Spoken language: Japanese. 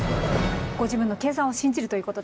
ご自分の計算を信じるということで。